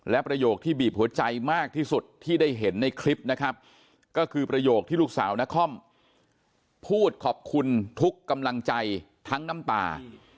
และประโยคที่บีบหัวใจมากที่สุดที่ได้เห็นในคลิปนะครับก็คือประโยคที่ลูกสาวนครพูดขอบคุณทุกกำลังใจทั้งน้ำตา